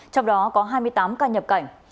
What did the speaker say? trong đó có hai mươi tám ca nhập cảnh